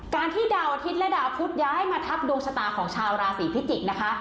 การที่ดาวอาทิตย์และดาวพุทธย้ายมาทับดวงชะตาของชาวราศีพิจิกษ์นะคะ